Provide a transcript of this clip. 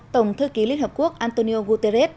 tổng thư ký liên hợp quốc antonio guterres